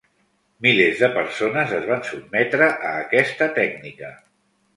Milers de persones es van sotmetre a aquesta tècnica.